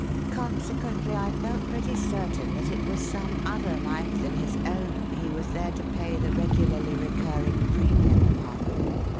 Consequently, I felt pretty certain that it was some other life than his own he was there to pay the regularly recurring premium upon.